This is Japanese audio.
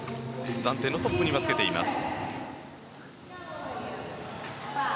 暫定のトップにはつけています。